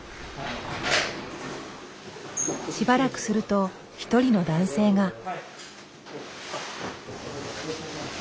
しばらくすると一人の男性が。